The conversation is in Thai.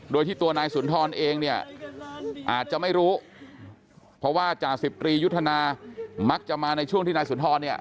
โดยที่ตัวนายสุนทรเองเนี่ยอาจจะไม่รู้เพราะว่าจ่าสิบตรียุทธนามักจะมาในช่วงที่นายสุนทรเนี่ย